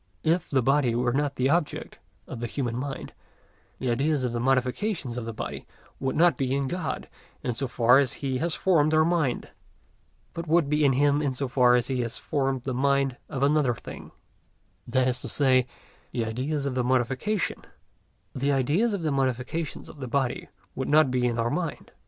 If the body were not the object of the human mind, the ideas of the modifications of the body would not be in God, in so far as He has formed our mind, but would be in Him in so far as He has formed the mind of another thing; that is to say, the ideas of the modifications of the body would not be in our mind.